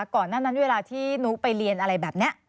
ก่อนหน้านั้นเวลาที่นุ๊กไปเรียนอะไรแบบนี้